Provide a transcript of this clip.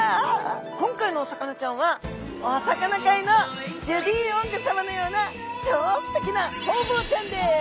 今回のお魚ちゃんはおサカナ界のジュディ・オングさまのような超すてきなホウボウちゃんです。